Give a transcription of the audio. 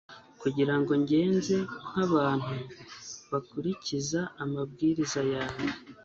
Kugira ngo ngenze nk’abantu bakurikiza amabwiriza yawe